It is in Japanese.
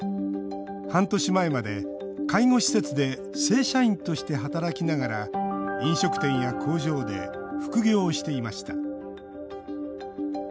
半年前まで、介護施設で正社員として働きながら飲食店や工場で副業をしていました。